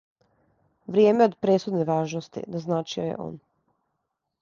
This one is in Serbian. Вријеме је од пресудне важности, назначио је он.